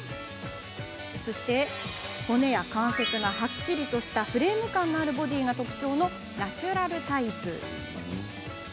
骨や関節がはっきりとしたフレーム感のあるボディーが特徴のナチュラルタイプ。